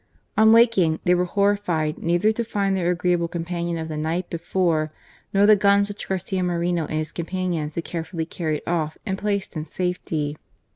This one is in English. On waking they were horri fied neither to find their agreeable companion of the night before, nor the guns, which Garcia Moreno and his companions had carefully carried off and placed in safety.